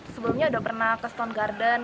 sebelumnya udah pernah ke stone garden